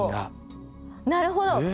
なるほど。